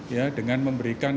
ya dengan memberikan